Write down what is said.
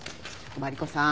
マリコさん